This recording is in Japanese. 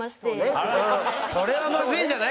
それはまずいんじゃない？